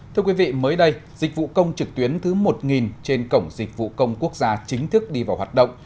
thưa quý vị mới đây dịch vụ công trực tuyến thứ một trên cổng dịch vụ công quốc gia chính thức đi vào hoạt động